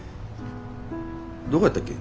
どこやったっけ？